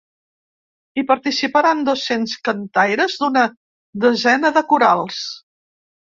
Hi participaran dos-cents cantaires d’una desena de corals.